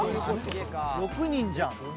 ６人じゃん！